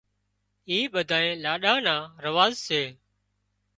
اِي ٻڌائي لاڏا نا رواز سي